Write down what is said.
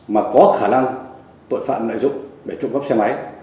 mà có khả năng tội phạm lợi dụng để trộm cắp xe máy